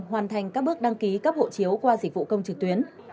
hoàn thành các bước đăng ký cấp hộ chiếu qua dịch vụ công trực tuyến